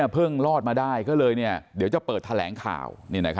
รอดมาได้ก็เลยเดี๋ยวจะเปิดแถลงข่าว